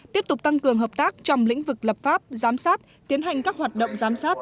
tiếp tục tăng cường hợp tác trong lĩnh vực lập pháp giám sát tiến hành các hoạt động giám sát